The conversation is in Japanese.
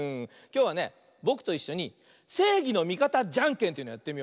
きょうはねぼくといっしょに「せいぎのみかたじゃんけん」というのやってみようよ。